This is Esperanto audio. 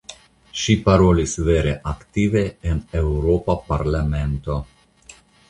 Ŝi parolis vere aktive en Eŭropa parlamento.